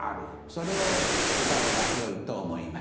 それをうたえばよいと思います。